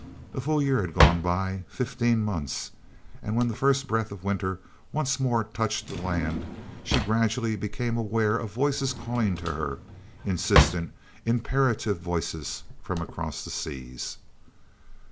A full year had gone by, fifteen months, and when the first breath of winter once more touched the land she gradually became aware of voices calling to her, insistent, imperative voices from across the seas.